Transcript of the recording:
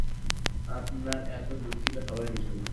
আপনার এত দুঃখিত হবার কিছু নেই।